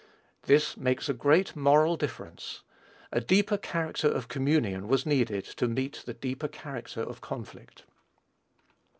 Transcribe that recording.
This makes a great moral difference. A deeper character of communion was needed to meet the deeper character of conflict.